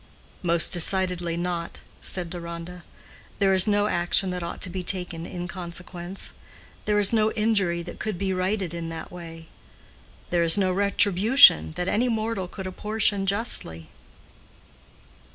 "Most decidedly not," said Deronda. "There is no action that ought to be taken in consequence. There is no injury that could be righted in that way. There is no retribution that any mortal could apportion justly."